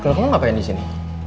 kalau kamu ngapain disini